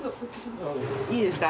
いいですか？